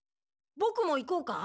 ボクも行こうか？